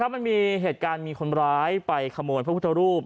มันมีเหตุการณ์มีคนร้ายไปขโมยพระพุทธรูป